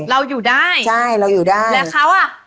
เราอยู่ได้ใช่เราอยู่ได้แล้วเขาอ่ะ